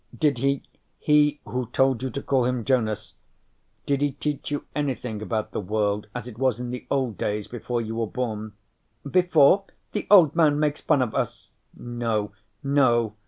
Did he he who told you to call him Jonas, did he teach you anything about the world as it was in the old days, before you were born?" "Before? The Old Man makes fun of us." "No, no."